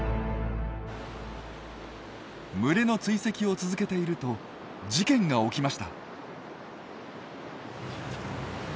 群れの追跡を続けていると事件が起きました。